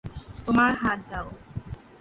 তোমার হাত দাও।